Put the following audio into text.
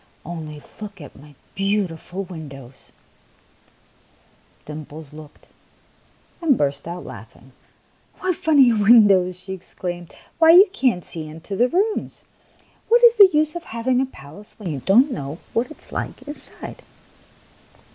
Only look at my beautiful windows !" Dimples looked, and burst out laughing. " What funny windows !" she exclaimed. " Why, you can't see into the rooms ! What is the use of having a palace when you don't know what it is like inside